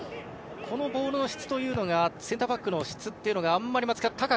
このボールの質というのがセンターバックの質というのがあんまり松木さん